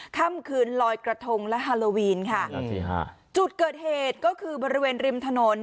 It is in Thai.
ค่ำคืนลอยกระทงและฮาโลวีนค่ะนั่นสิฮะจุดเกิดเหตุก็คือบริเวณริมถนน